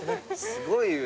すごいよ。